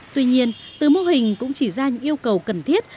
tuy nhiên từ mô hình cũng chỉ ra những yêu cầu cần thiết